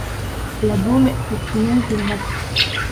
La bôme est plus longue que le mât.